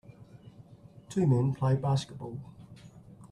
Two men play basketball.